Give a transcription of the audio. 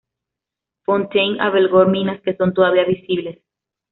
Fontaine albergó minas que son todavía visibles.